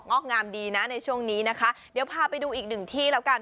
อกงามดีนะในช่วงนี้นะคะเดี๋ยวพาไปดูอีกหนึ่งที่แล้วกัน